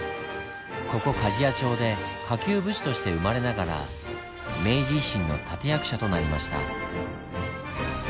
ここ加治屋町で下級武士として生まれながら明治維新の立て役者となりました。